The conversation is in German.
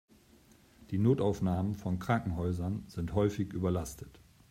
Die Notaufnahmen von Krankenhäusern sind häufig überlastet.